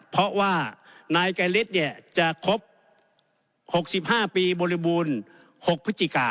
เพราะว่านายไกรฤทธิ์จะครบ๖๕ปีบริบูรณ์๖พฤศจิกา